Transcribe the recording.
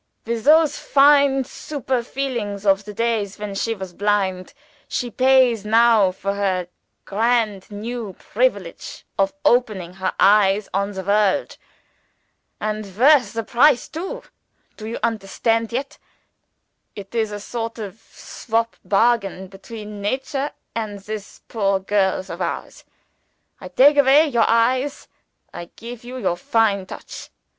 With those fine superfine feelings of the days when she was blind, she pays now for her grand new privilege of opening her eyes on the world. (And worth the price too!) Do you understand yet? It is a sort of swop bargain between Nature and this poor girls of ours. I take away your eyes I give you your fine touch.